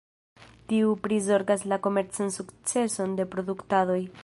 Tiu prizorgas la komercan sukceson de produktadoj.